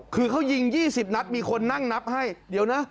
คือเขายิง๒๐นัดมีคนนั่งนับให้เดี๋ยวนะ